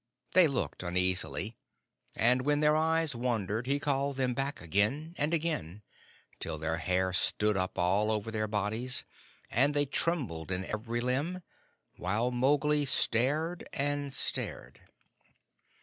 They looked uneasily, and when their eyes wandered, he called them back again and again, till their hair stood up all over their bodies, and they trembled in every limb, while Mowgli stared and stared.